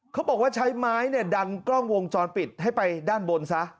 เขาบอกว่าใช้ไม้เนี่ยดันกล้องวงจรปิดให้ไปด้านบนซะ